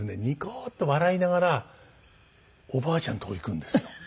ニコッと笑いながらおばあちゃんとこへ行くんですよ。